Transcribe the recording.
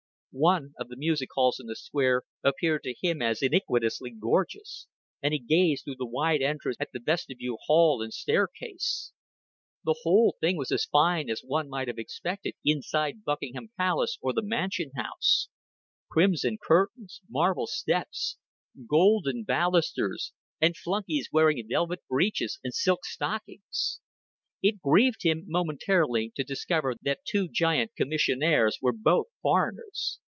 One of the music halls in the Square appeared to him as iniquitously gorgeous, and he gazed through the wide entrance at the vestibule hall, and staircase. The whole thing was as fine as one might have expected inside Buckingham Palace or the Mansion House crimson curtains, marble steps, golden balusters, and flunkeys wearing velvet breeches and silk stockings. It grieved him momentarily to discover that two giant commissionnaires were both foreigners.